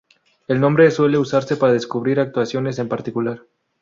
El nombre suele usarse para describir actuaciones en particular.